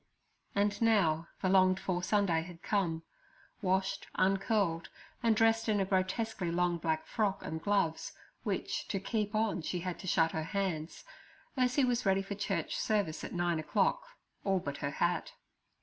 And now the longed for Sunday had come. Washed, uncurled, and dressed in a grotesquely long black frock, and gloves, which to keep on she had to shut her hands, Ursie was ready for church service at nine o'clock, all but her hat.